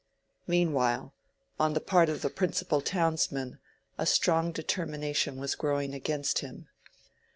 Meanwhile, on the part of the principal townsmen a strong determination was growing against him.